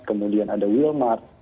kemudian ada wilmar